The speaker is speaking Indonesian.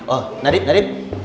oh nadib nadib